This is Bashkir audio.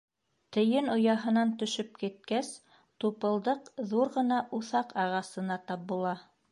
Тейен ояһынан төшөп киткәс, Тупылдыҡ ҙур ғына уҫаҡ ағасына тап була.